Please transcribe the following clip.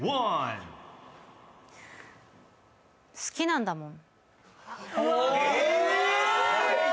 好きなんだもん。